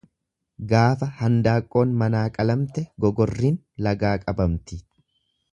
Gaafa handaaqqoon manaa qalamte gogorrin lagaa qabamti.